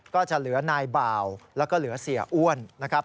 ก็จะเหลือนายบ่าวแล้วก็เหลือเสียอ้วนนะครับ